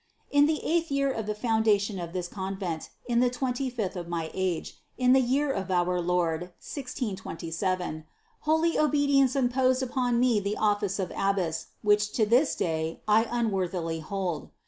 In the eighth year of the foundation of this convent, in the twenty fifth of my age, in the year of our Lord 1627, holy obedience imposed upon me the office of abbess, which to this day I un worthily hold.